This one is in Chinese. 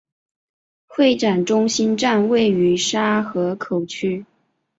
会展中心站位于沙河口区。